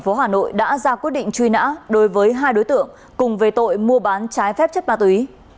công an tp hoa kỳ đã ra quyết định truy nã đối với hai đối tượng cùng về tội mua bán trái phép chất ma túy